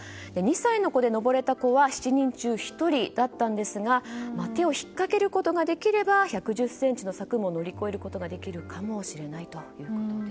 ２歳の子で上れた子は７人中１人だったんですが手を引っかけることができれば１１０ｃｍの柵も乗り越えることができるかもしれません。